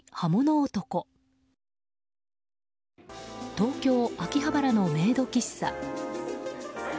東京・秋葉原のメイド喫茶。